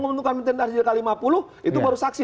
menguntungkan menteri dari k lima puluh itu baru saksi